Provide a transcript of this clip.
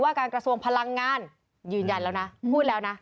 การกระทรวงพลังงานยืนยันแล้วนะพูดแล้วนะ